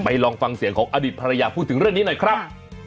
ลองฟังเสียงของอดีตภรรยาพูดถึงเรื่องนี้หน่อยครับ